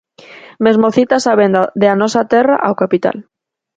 Mesmo citas a venda de A Nosa Terra ao capital.